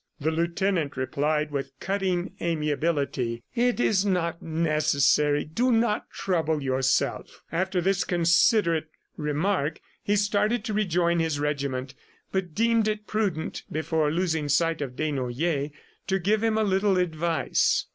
The lieutenant replied with cutting amiability: "It is not necessary; do not trouble yourself!" After this considerate remark, he started to rejoin his regiment but deemed it prudent before losing sight of Desnoyers to give him a little advice.